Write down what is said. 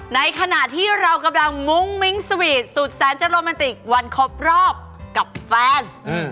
ในขณะที่เรากำลังมุ้งมิ้งสวีทสุดแสนจะโรแมนติกวันครบรอบกับแฟน